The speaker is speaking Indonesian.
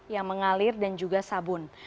yang mengalir dan juga sabun